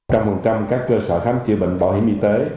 một trăm linh các cơ sở khám chữa bệnh bảo hiểm y tế